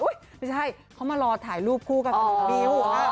อุ๊ยไม่ใช่เขามารอถ่ายรูปคู่กับดิว